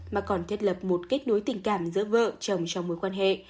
mà còn thiết lập một kết nối tình cảm giữa vợ chồng trong mối quan hệ